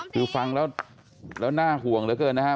คือฟังแล้วน่าห่วงเหลือเกินนะครับ